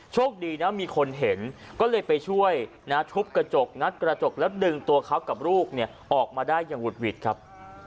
โชคดีนะมีคนเห็นก็เลยไปช่วยนะทุบกระจกงัดกระจกแล้วดึงตัวเขากับลูกเนี่ยออกมาได้อย่างหุดหวิดครับ